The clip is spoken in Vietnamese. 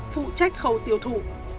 phụ trách khâu tiêu thụ